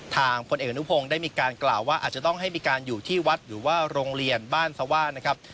พลเอกอนุพงศ์ได้มีการกล่าวว่าอาจจะต้องให้มีการอยู่ที่วัดหรือว่าโรงเรียนบ้านสว่างนะครับ